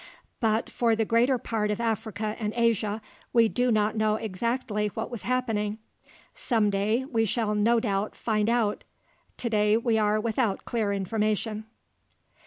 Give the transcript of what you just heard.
But for the greater part of Africa and Asia, we do not know exactly what was happening. Some day, we shall no doubt find out; today we are without clear information.